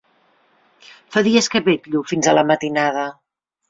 Fa dies que vetllo fins a la matinada.